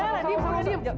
perih perih perih